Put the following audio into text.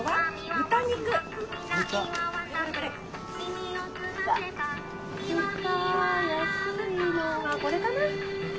豚安いのがこれかな？